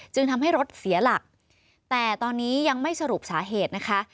ทำให้รถเสียหลักแต่ตอนนี้ยังไม่สรุปสาเหตุนะคะ